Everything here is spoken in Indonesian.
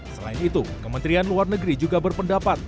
selain itu kementerian luar negeri juga berpendapat